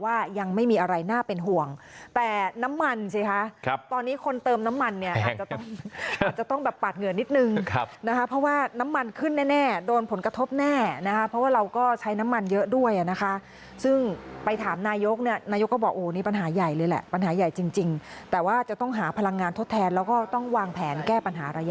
ว่ายังไม่มีอะไรน่าเป็นห่วงแต่น้ำมันสิคะตอนนี้คนเติมน้ำมันเนี่ยอาจจะต้องอาจจะต้องแบบปาดเหงื่อนิดนึงนะคะเพราะว่าน้ำมันขึ้นแน่โดนผลกระทบแน่นะคะเพราะว่าเราก็ใช้น้ำมันเยอะด้วยนะคะซึ่งไปถามนายกเนี่ยนายกก็บอกโอ้นี่ปัญหาใหญ่เลยแหละปัญหาใหญ่จริงแต่ว่าจะต้องหาพลังงานทดแทนแล้วก็ต้องวางแผนแก้ปัญหาระยะ